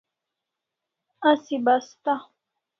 Asi basta